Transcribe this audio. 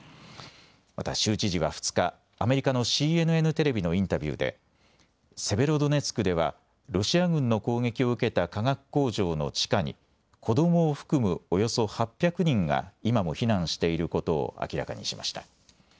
また州知事は２日、アメリカのＣＮＮテレビのインタビューで、セベロドネツクでは、ロシア軍の攻撃を受けた化学工場の地下に、子どもを含むおよそ８００人が今も避難していることを明らかにしました。